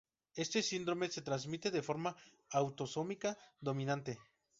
Este síndrome se transmite de forma autosómica dominante.